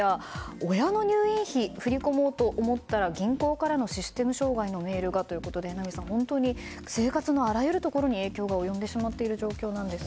親の入院費を振り込もうと思ったら銀行からのシステム障害のメールがということで榎並さん、本当に生活のあらゆるところに影響が及んでしまっています。